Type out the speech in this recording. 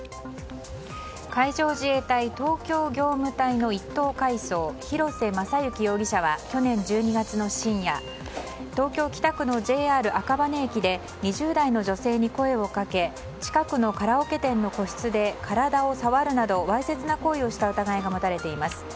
海上自衛隊東京業務隊の１等海曹広瀬正行容疑者は去年１２月の深夜東京・北区のＪＲ赤羽駅で２０代の女性に声をかけ近くのカラオケ店の個室で体を触るなどわいせつな行為をした疑いが持たれています。